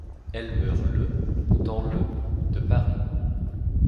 Elle meurt le dans le de Paris.